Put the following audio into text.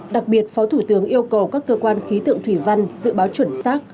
đặc biệt phó thủ tướng yêu cầu các cơ quan khí tượng thủy văn dự báo chuẩn xác